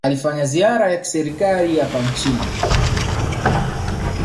alifanya ziara ya kiserikali hapa nchini